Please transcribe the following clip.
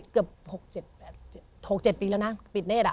เกือบ๖๗ปีแล้วนะปิดเนธ